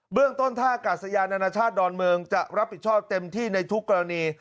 เรื่องต้นท่ากาศยานานาชาติดอนเมืองจะรับผิดชอบเต็มที่ในทุกกรณี